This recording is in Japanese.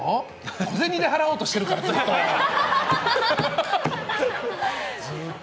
小銭で払おうとしてるからずっと。